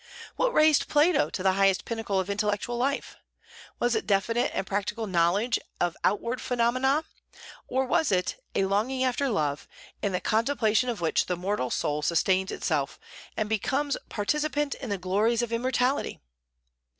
What raised Plato to the highest pinnacle of intellectual life? Was it definite and practical knowledge of outward phenomena; or was it "a longing after love, in the contemplation of which the mortal soul sustains itself, and becomes participant in the glories of immortality"?